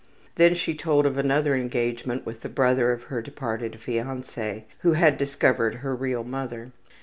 Then she told of another engagement with the brother of her departed fiance, who had discovered her real mother.